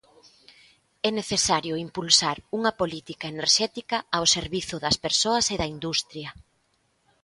É necesario impulsar unha política enerxética ao servizo das persoas e da industria.